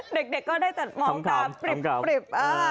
เด็กก็ได้แต่มองตาปริบ